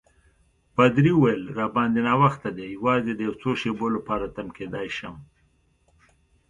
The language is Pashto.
پادري وویل: راباندي ناوخته دی، یوازې د یو څو شېبو لپاره تم کېدای شم.